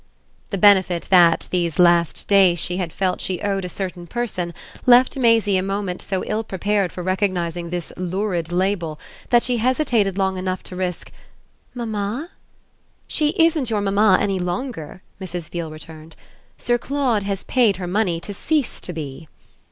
The benefit that, these last days, she had felt she owed a certain person left Maisie a moment so ill prepared for recognising this lurid label that she hesitated long enough to risk: "Mamma?" "She isn't your mamma any longer," Mrs. Beale returned. "Sir Claude has paid her money to cease to be."